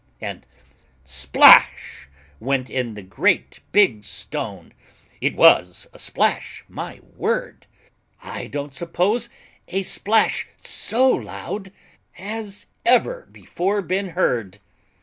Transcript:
And SPLASH! went in the great big stone, It was a splash! my word! I don't suppose a splash so loud Has ever before been heard.